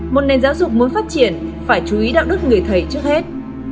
một nền giáo dục muốn phát triển phải chú ý đạo đức người thầy trước hết